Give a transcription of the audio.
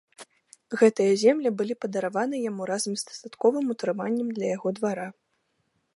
Гэтыя землі былі падараваны яму разам з дастатковым утрыманнем для яго двара.